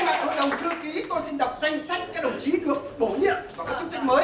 thay mặt hội đồng thư ký tôi xin đọc danh sách các đồng chí được bổ nhiệm vào các chức trách mới